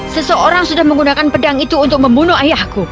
seseorang sudah menggunakan pedang itu untuk membunuh ayahku